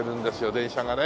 電車がね。